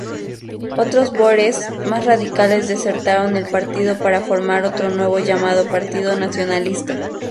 Otros bóeres más radicales desertaron el partido para formar otro nuevo llamado Partido Nacionalista.